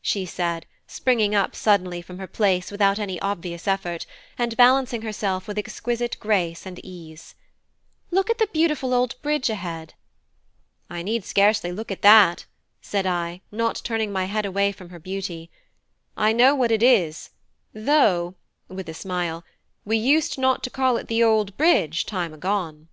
she said, springing up suddenly from her place without any obvious effort, and balancing herself with exquisite grace and ease; "look at the beautiful old bridge ahead!" "I need scarcely look at that," said I, not turning my head away from her beauty. "I know what it is; though" (with a smile) "we used not to call it the Old Bridge time agone."